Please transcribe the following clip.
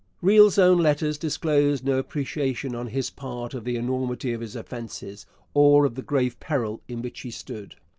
Riel's own letters disclose no appreciation on his part of the enormity of his offences, or of the grave peril in which he stood.